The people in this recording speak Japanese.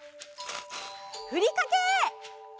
ふりかけ！